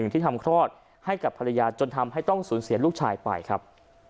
ที่ทำคลอดให้กับภรรยาจนทำให้ต้องสูญเสียลูกชายไปครับ